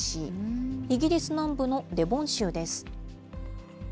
イギリス南部のデボン州です。